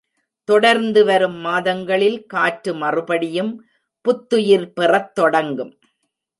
தொடர்ந்து வரும் மாதங்களில் காற்று மறுபடியும் புத்துயிர் பெறத் தொடங்கும்.